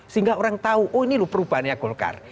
sehingga orang tahu oh ini loh perubahannya golkar